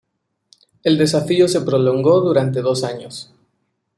El desafío se prolongó durante dos años.